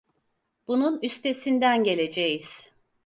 Bunun üstesinden geleceğiz.